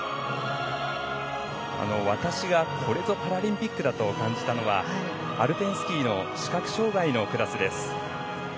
私がこれぞパラリンピックだと感じたのはアルペンスキーの視覚障がいのクラスです。